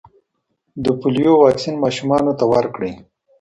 د پولیو واکسین ماشومانو ته ورکړئ.